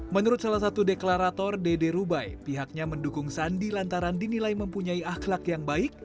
menurut salah satu deklarator dede rubai pihaknya mendukung sandi lantaran dinilai mempunyai akhlak yang baik